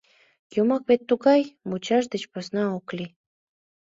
Йомак вет тугай — мучаш деч посна ок лий.